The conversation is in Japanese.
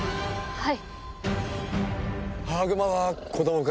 はい。